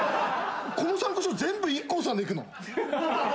この参考書全部ＩＫＫＯさんでいくの？